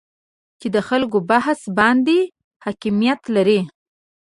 چې د خلکو بحث باندې حاکمیت لري